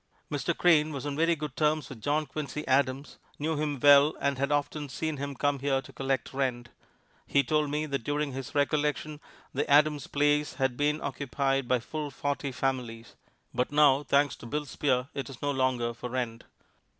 Mr. Crane was on very good terms with John Quincy Adams, knew him well and had often seen him come here to collect rent. He told me that during his recollection the Adams place had been occupied by full forty families. But now, thanks to "Bill Spear," it is no longer for rent.